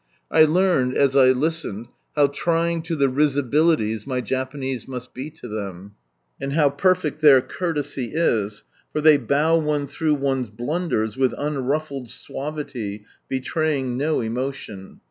I learned, as I listened, how trying to the risibilities my Japanese must be to them, and how perfect their courtesy is, for they bow one through one's blunders with unruffled suavity, betraying no emotion.